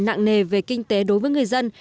nặng nề về kinh tế đối với người dân